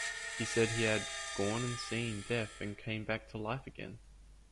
He said he "had gone and seen death and came back to life again".